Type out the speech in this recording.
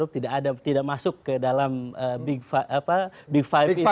tidak masuk ke dalam big five itu